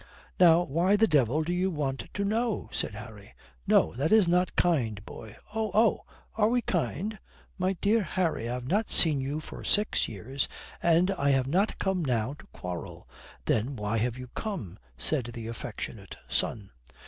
"Now why the devil do you want to know?" said Harry. "No, that is not kind, boy." "Oh, Oh, are we kind?" "My dear Harry, I have not seen you for six years, and I have not come now to quarrel." "Then why have you come?" said the affectionate son.